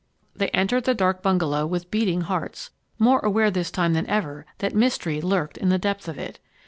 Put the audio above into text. They entered the dark bungalow with beating hearts, more aware this time than ever that mystery lurked in the depth of it.